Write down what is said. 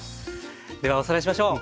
ではおさらいしましょう。